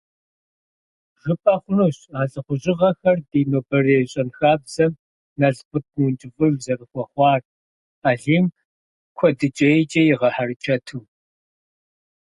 ЖыпӀэ хъунущ а лӀыхъужьыгъэхэр ди нобэрей щэнхабзэм налкъут мыункӀыфӀыж зэрыхуэхъуар Алим куэдыкӀейкӀэ игъэхьэрычэту.